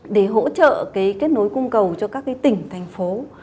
để hỗ trợ kết nối cung cầu cho các tỉnh thành phố